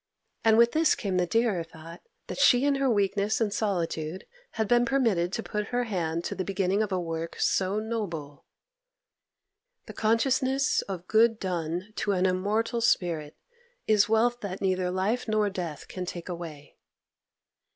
And with this came the dearer thought that she in her weakness and solitude had been permitted to put her hand to the beginning of a work so noble. The consciousness of good done to an immortal spirit is wealth that neither life nor death can take away.